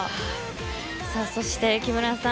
そして木村さん。